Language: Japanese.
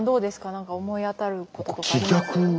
何か思い当たることとかあります？